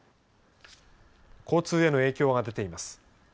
交通への影響が出ています。